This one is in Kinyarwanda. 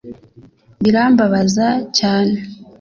Birambabaza cyane